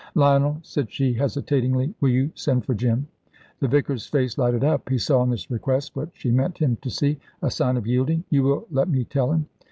"Lionel," said she, hesitatingly, "will you send for Jim?" The vicar's face lighted up. He saw in this request what she meant him to see, a sign of yielding. "You will let me tell him?"